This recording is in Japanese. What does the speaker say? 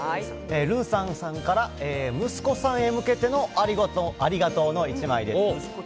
るんさんさんから息子さんへ向けてのありがとうの１枚です。